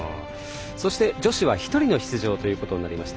そして女子は１人の出場となりました。